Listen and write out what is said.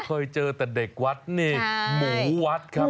เคยเจอแต่เด็กวัดนี่หมูวัดครับ